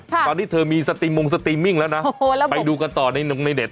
ตอนนี้เธอมีมุมสตรีมมิ้งแล้วนะไปดูกันต่อในในเน็ต